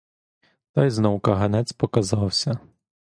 Та й знов каганець показався.